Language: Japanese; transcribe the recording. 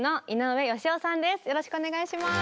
よろしくお願いします。